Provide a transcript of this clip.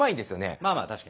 まあまあ確かにね。